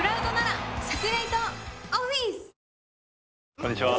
こんにちは。